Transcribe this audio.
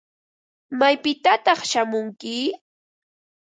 ¿Maypitataq shamunki?